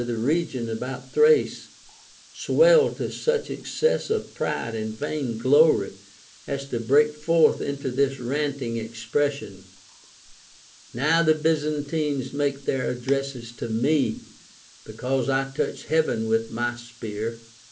the region about Thrace, swelled to such excess of pride and vain glory as to break forth into this ranting ex pression : Now the Byzantines make their addresses to me, because I touch heaven with my spear.